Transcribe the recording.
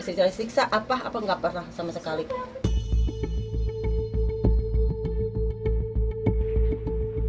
hai sejarah siksa apa apa nggak pernah sejarah siksa apa apa nggak pernah sejarah siksa apa apa nggak pernah